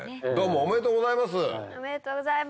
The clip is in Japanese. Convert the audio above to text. おめでとうございます。